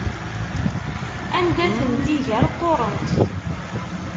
Anda tent-iger qquṛent.